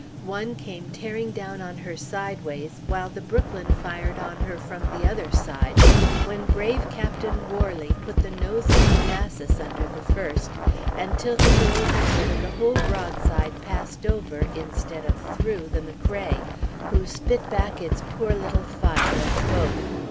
One came tearing down on her sideways, while the Brooklyn fired on her from the other side, when brave Captain Warley put the nose of the Manassas under the first, and tilted her over so that the whole broadside passed over, instead of through, the McRae, who spit back its poor little fire at both.